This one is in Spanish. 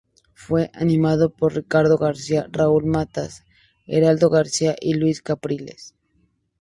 Fue animado por Ricardo García, Raúl Matas, Heraldo García y Luis Capriles.